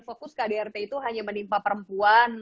fokus kdrt itu hanya menimpa perempuan